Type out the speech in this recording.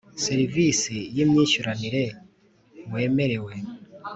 Serivisi y imyishyuranire wemerewe